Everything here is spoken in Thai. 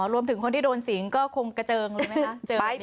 รวมถึงคนที่โดนสิงก็คงกระเจิงเลยไหมคะ